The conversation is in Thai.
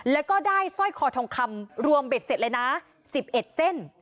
แล้วก็ได้สร้อยคอทองคำรวมเบ็ดเสร็จเลยนะ๑๑เส้น